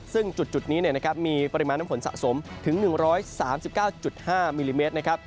ซึ่งจุดนี้มีปริมาณน้ำฝนสะสมถึง๑๓๙๕มิลลิเมตรนะครับ